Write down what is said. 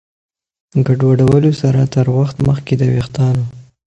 ګډوډولو سره تر وخت مخکې د ویښتانو